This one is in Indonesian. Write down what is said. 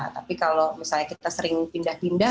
tapi kalau misalnya kita sering pindah pindah